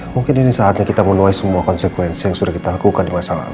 mungkin ini saatnya kita menuai semua konsekuensi yang sudah kita lakukan di masa lalu